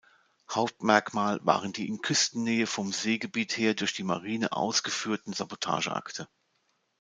Hauptmerkmal waren die in Küstennähe vom Seegebiet her durch die Marine ausgeführten Sabotageakte.